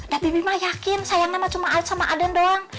nah bibi mah yakin sayang namah cuma sama aden doang